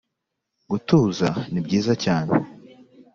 gutuza ni byiza cyane